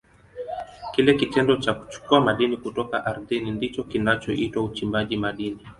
Kile kitendo cha kuchukua madini kutoka ardhini ndicho kinachoitwa uchimbaji madini.